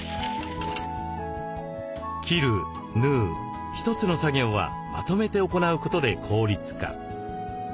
「切る」「縫う」一つの作業はまとめて行うことで効率化。